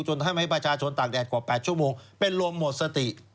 ทำให้ประชาชนตากแดดกว่า๘ชั่วโมงเป็นลมหมดสติ